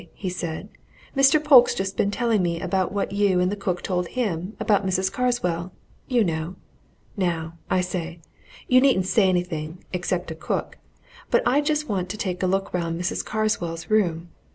he said, "Mr. Polke's just been telling me about what you and the cook told him about Mrs. Carswell you know. Now, I say you needn't say anything except to cook but I just want to take a look round Mrs. Carswell's room.